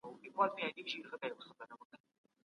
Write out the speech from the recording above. مسافر چي کله هرات ته ځي نو په دلارام کي دمې سي.